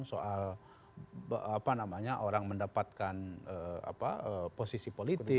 soal apa namanya orang mendapatkan posisi politik